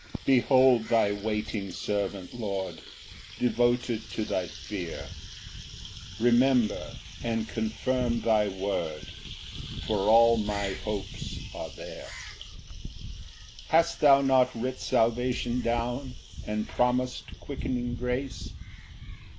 Ver. 38 49. 1 Behold thy waiting servant, Lord, Devoted to thy fear; Remember and confirm thy word, For all my hopes are there. Ver. 41 58 107. 2 Hast thou not writ salvation down, And promis'd quickening grace?